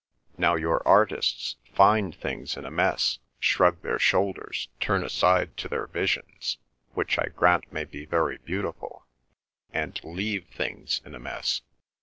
Now your artists find things in a mess, shrug their shoulders, turn aside to their visions—which I grant may be very beautiful—and leave things in a mess.